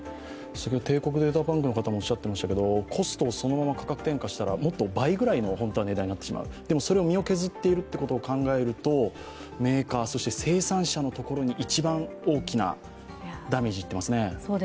帝国データバンクの方もおっしゃっていましたが、コストをそのまま価格転嫁したらもっと倍ぐらいの本当は値段になってしまう、でも、身を削っていると考えると、メーカー、そして生産者のところに一番大きなダメージがいっていますね。